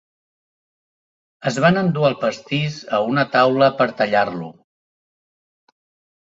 Es van endur el pastís a una taula per tallar-lo.